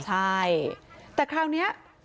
ใช่แต่คราวนี้